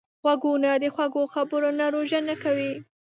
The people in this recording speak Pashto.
غوږونه د خوږو خبرو نه روژه نه کوي